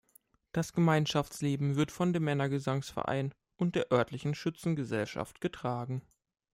Das Gemeinschaftsleben wird von dem Männergesangverein und der örtlichen Schützengesellschaft getragen.